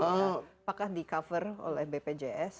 apakah di cover oleh bpjs